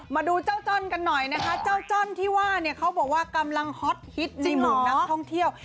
มาดูเจ้าจ้อนกันหน่อยนะคะเจ้าจ้อนที่ว่าเนี่ยเขาบอกว่ากำลังฮอตฮิตจริงของนักท่องเที่ยว